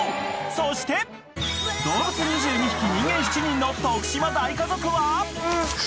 そして動物２２匹、人間７人の徳島大家族は。